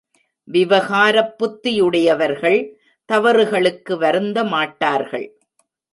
விவகாரப் புத்தியுடையவர்கள் தவறுகளுக்கு வருந்தமாட்டார்கள்.